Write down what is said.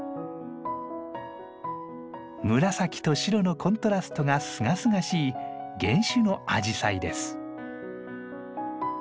紫と白のコントラストがすがすがしい原種のアジサイです。